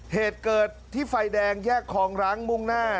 เหตุเกิดที่ไฟแดงแยกคองรั้งมุ่งหน้า